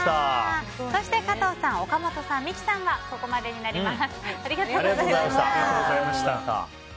そして加藤さん、岡本さん三木さんはここまでになります。